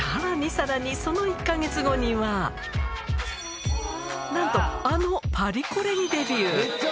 さらにさらにその１か月後には、なんとあのパリコレにデビュー。